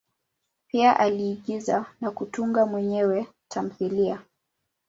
Pia aliigiza na kutunga mwenyewe tamthilia.